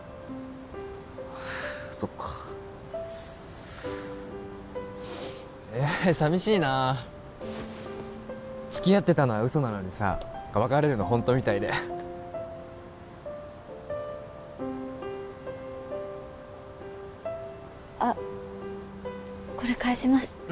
そっか淋しいな付き合ってたのは嘘なのにさ別れるの本当みたいであっこれ返します